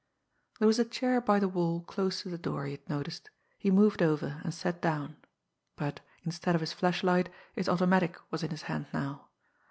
There was a chair by the wall close to the door, he had noticed. He moved over, and sat down but, instead of his flashlight, his automatic was in his hand now.